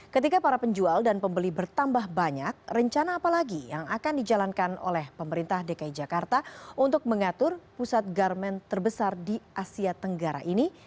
ketika para penjual dan pembeli bertambah banyak rencana apa lagi yang akan dijalankan oleh pemerintah dki jakarta untuk mengatur pusat garmen terbesar di asia tenggara ini